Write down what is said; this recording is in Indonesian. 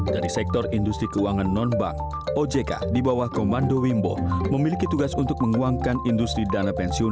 dari sektor industri keuangan non bank ojk di bawah komando wimbo memiliki tugas untuk menguangkan industri dana pensiun